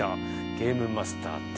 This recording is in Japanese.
ゲームマスターＴ」。